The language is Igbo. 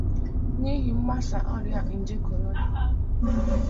n'ihi mgbasà ọrịa nje korona.